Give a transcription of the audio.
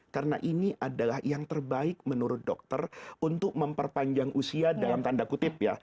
karena ini adalah yang terbaik menurut dokter untuk memperpanjang usia dalam tanda kutip ya